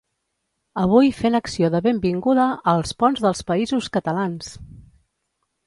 Avui fent acció de benvinguda als ponts del països catalans!